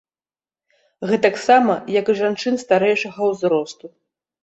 Гэтаксама, як і жанчын старэйшага ўзросту.